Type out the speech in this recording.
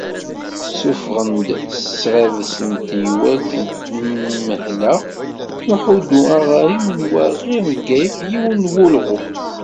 Ssuffɣen-d Srabes n Teywalt n Tenmehla n Uḥuddu Aɣarim n waɣir n Bgayet, yiwen n wulɣu.